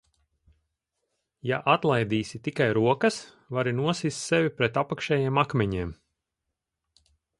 Ja atlaidīsi tikai rokas, vari nosist sevi pret apakšējiem akmeņiem!